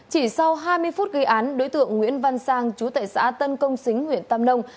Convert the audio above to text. chỉ sau hai mươi phút ghi án đối tượng nguyễn văn sang chú tại xã tân công xính huyện tâm nông